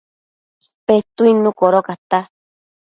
Petuidnu codocata